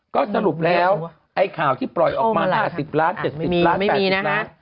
ก็สรุปแล้วไอ้ข่าวที่ปล่อยออกมา๕๐ล้าน๗๐ล้านแบบนี้นะ